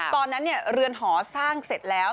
เรือนหอสร้างเสร็จแล้ว